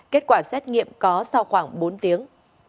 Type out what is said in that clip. kết quả xét nghiệm có sau khoảng bốn tiếng